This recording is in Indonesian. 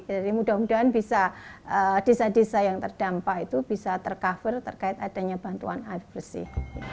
jadi mudah mudahan bisa desa desa yang terdampak itu bisa tercover terkait adanya bantuan air bersih